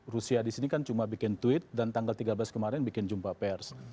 rusia di sini kan cuma bikin tweet dan tanggal tiga belas kemarin bikin jumpa pers